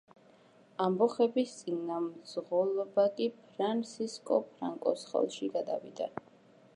ამბოხების წინამძღოლობა კი ფრანსისკო ფრანკოს ხელში გადავიდა.